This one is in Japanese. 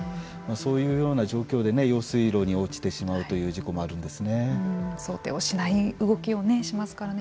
そういうような状況で用水路に落ちてしまうという事故も想定をしない動きをしますからね。